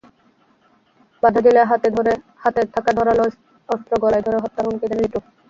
বাধা দিলে হাতে থাকা ধারালো অস্ত্র গলায় ধরে হত্যার হুমকি দেন লিটু।